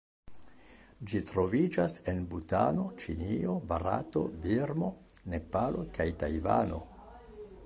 Ĝi troviĝas en Butano, Ĉinio, Barato, Birmo, Nepalo kaj Tajvano.